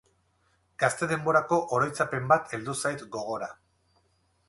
Gazte denborako oroitzapen bat heldu zait gogora.